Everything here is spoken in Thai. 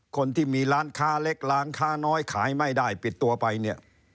คนที่มีร้านค้าเล็กล้างค้าน้อยขายไม่ได้ปิดตัวไปเนี่ย